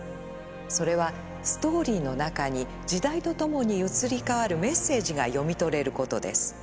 それはストーリーの中に時代とともに移り変わるメッセージが読み取れることです。